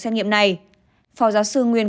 xét nghiệm này phòng giáo sư nguyễn